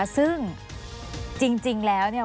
ซึ่งจริงแล้วเนี่ย